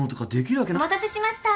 お待たせしました。